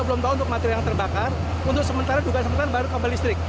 belum tahu untuk material yang terbakar untuk sementara dugaan sementara baru kembali listrik